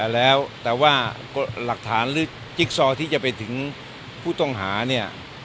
แล้วแต่ว่าหลักฐานหรือจิ๊กซอที่จะไปถึงผู้ต้องหาเนี่ย